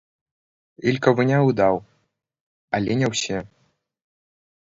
Ілька выняў і даў, але не ўсе.